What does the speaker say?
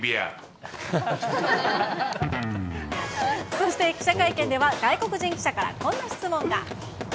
そして記者会見では外国人記者からこんな質問が。